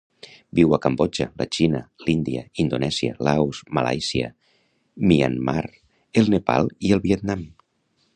Viu a Cambodja, la Xina, l'Índia, Indonèsia, Laos, Malàisia, Myanmar, el Nepal i el Vietnam.